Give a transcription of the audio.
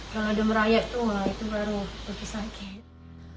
kalau ada merayak itu itu baru sakit